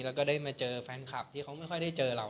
แล้วก็ได้มาเจอแฟนคลับที่เขาไม่ค่อยได้เจอเรา